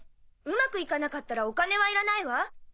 うまく行かなかったらお金はいらないわ。